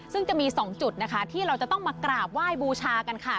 ซึ่งจะมี๒จุดนะคะที่เราจะต้องมากราบไหว้บูชากันค่ะ